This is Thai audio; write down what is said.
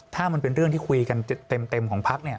ถ้ามันเป็นเรื่องที่คุยกันเต็มของพักเนี่ย